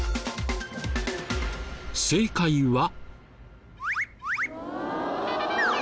正解は。